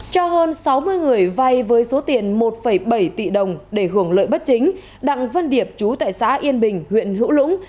cho hơn sáu mươi người vay với số tiền một bảy tỷ đồng để hưởng lợi bất chính đặng văn điệp chú tại xã yên bình huyện hữu lũng